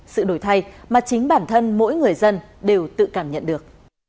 sự đổi thay mà chính bản thân mỗi người dân đều tự cảm nhận được